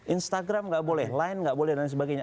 instagram nggak boleh line nggak boleh dan sebagainya